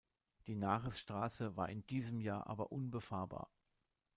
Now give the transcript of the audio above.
Die Nares-Straße war in diesem Jahr aber unbefahrbar.